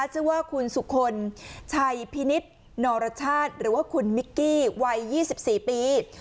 ชื่อว่าคุณสุคลชัยพินิษฐ์นรชาติหรือว่าคุณมิกกี้วัย๒๔ปี